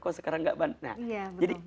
kok sekarang gak ban nah jadi